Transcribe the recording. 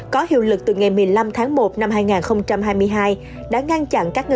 có hiệu lực từ ngày một mươi năm tháng một năm hai nghìn hai mươi hai